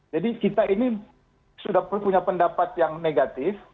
jadi kita ini sudah punya pendapat yang negatif